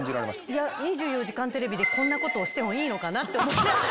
いや、２４時間テレビで、こんなことをしてもいいのかなと思って。